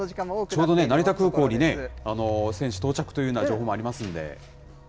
ちょうどね、成田空港に選手到着というような情報もあります